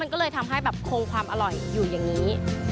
ก็เลยทำให้แบบคงความอร่อยอยู่อย่างนี้